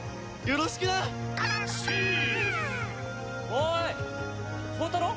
おい宝太郎？